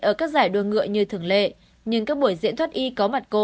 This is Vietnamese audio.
ở các giải đua ngựa như thường lệ nhưng các buổi diễn thoát y có mặt cô